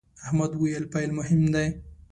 احمد وويل: پیل مهم دی.